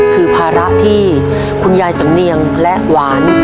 คือภาระที่คุณยายสำเนียงและหวาน